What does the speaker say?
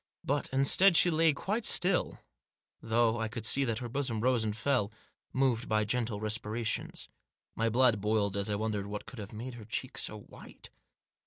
But instead she lay quite still, though I could see that her bosom rose and fell, moved by gentle respirations. My blood boiled as I wondered what could have made her cheek so white.